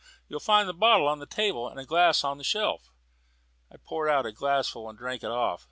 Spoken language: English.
You'll find the bottle on the table and a glass on the shelf." I poured out a glassful and drank it off.